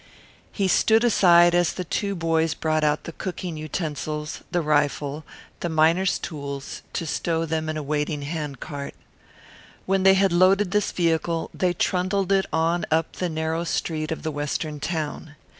He stood aside as the two boys brought out the cooking utensils, the rifle, the miners' tools, to stow them in a waiting handcart. When they had loaded this vehicle they trundled it on up the narrow street of the Western town.